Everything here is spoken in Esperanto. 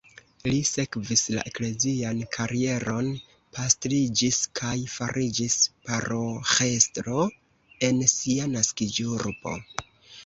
Li sekvis la eklezian karieron, pastriĝis kaj fariĝis paroĥestro en sia naskiĝurbo.